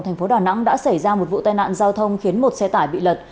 thành phố đà nẵng đã xảy ra một vụ tai nạn giao thông khiến một xe tải bị lật